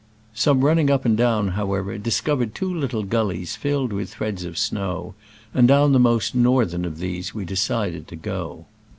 Some running up and down, however, discovered two Httle guUies filled with threads of snow, and down the most northern of these we decided to go.